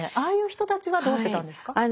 ああいう人たちはどうしてたんですか？